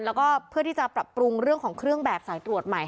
แล้วก็เพื่อที่จะปรับปรุงเรื่องของเครื่องแบบสายตรวจใหม่